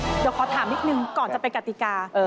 เดี๋ยวขอถามนิดนึงก่อนจะไปกติกา